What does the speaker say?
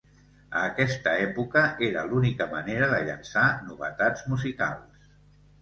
A aquesta època era l'única manera de llançar novetats musicals.